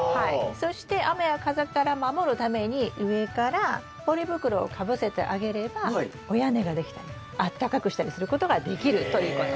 そして雨や風から守るために上からポリ袋をかぶせてあげればお屋根ができたりあったかくしたりすることができるということ。